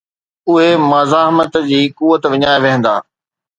اهي مزاحمت جي قوت وڃائي ويهندا.